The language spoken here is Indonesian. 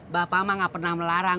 bapak mah gak pernah melarang